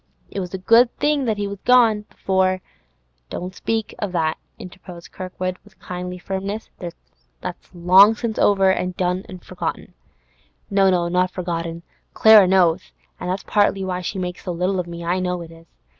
It was a good thing as he was gone, before—' 'Don't, don't speak of that,' interposed Kirkwood, with kindly firmness. 'That's long since over and done with and forgotten.' 'No, no; not forgotten. Clara knows, an' that's partly why she makes so little of me; I know it is.